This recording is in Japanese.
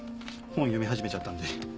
本読み始めちゃったんで。